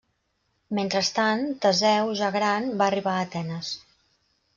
Mentrestant, Teseu, ja gran, va arribar a Atenes.